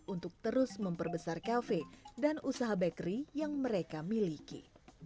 untuk terus memperbesar kafe dan usaha bakery yang mereka miliki